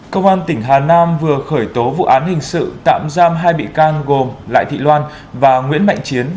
công an tỉnh hà nam vừa khởi tố vụ án hình sự tạm giam hai bị can gồm lại thị loan và nguyễn mạnh chiến